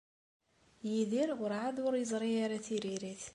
Yidir werɛad ur yeẓri ara tiririt.